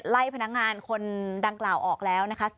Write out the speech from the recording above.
พนักงานคนดังกล่าวออกแล้วนะคะ